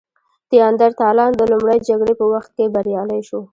نیاندرتالان د لومړۍ جګړې په وخت کې بریالي شول.